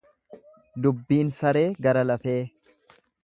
Dubbiin saree gara lafee.